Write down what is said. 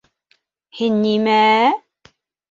— Һин нимә-ә-ә?